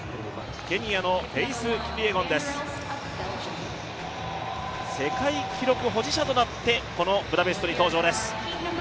ケニアのフェイス・キピエゴンです世界記録保持者となって、このブダペストに登場です。